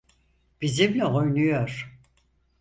Bizimle oynuyor.